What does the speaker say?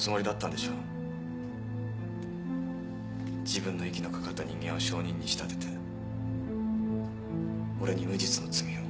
自分の息のかかった人間を証人に仕立てて俺に無実の罪を。